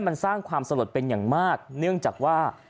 มันสร้างความสลดเป็นอย่างมากเนื่องจากว่า